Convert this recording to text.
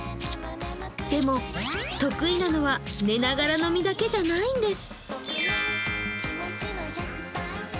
でも、得意なのは寝ながら飲みだけじゃないんです。